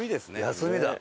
休みだ。